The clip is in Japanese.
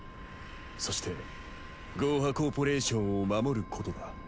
そしてゴーハ・コーポレーションを守ることだ。